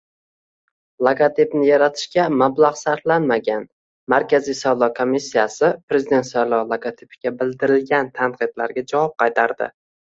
“Logotipni yaratishga mablag‘ sarflanmagan”. Markaziy saylov komissiyasi Prezident saylovi logotipiga bildirilgan tanqidlarga javob qaytardi